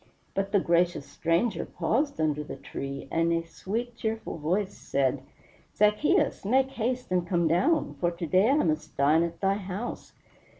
But the gracious Stranger paused under the tree, and a sweet, cheerful voice said, "Zaccheus, make haste and come down, for to day I must dine at thy house."